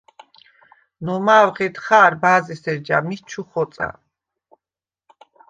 ნომა̄უ̂ ღედ ხა̄რ, ბა̄ზ’ე̄სერ ჯა მიჩ ჩუ ხოწა.